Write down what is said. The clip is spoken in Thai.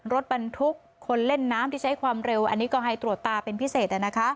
รถบรรทุกคนเล่นน้ำที่ใช้ความเร็วอันนี้ก็ให้ตรวจตาเป็นพิเศษ